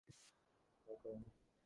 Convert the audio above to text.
তিনি প্রতাপাদিত্যকে অত্যন্ত ভয় করেন।